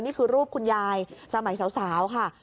นี่คือรูปคุณยายสมัยสาวค่ะ